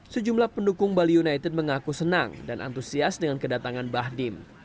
sejumlah pendukung bali united mengaku senang dan antusias dengan kedatangan bahdim